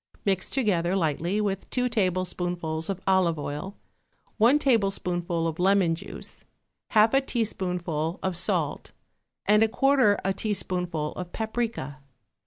Mix together lightly with two tablespoonfuls of olive oil, one tablespoonful of lemon juice, half a teaspoonful of salt and a quarter a teaspoonful of paprica.